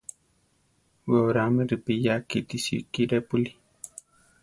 We oráame ripiya kíti sikirépuli.